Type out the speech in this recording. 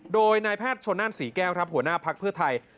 โดยนายแพทย์ชนนั่นศรีแก้วครับหัวหน้าภักดิ์เพื่อไทย